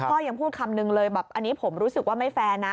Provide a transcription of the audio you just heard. ยังพูดคำนึงเลยแบบอันนี้ผมรู้สึกว่าไม่แฟร์นะ